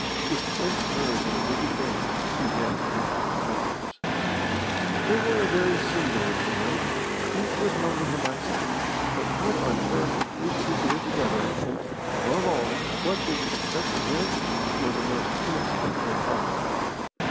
With tense nerves and a rigid face he went to meet his visitors. They were a very singular trio. Each was known to him by sight; but what on earth the three could be doing together, and, above all, what they could expect from him, was a most inexplicable problem.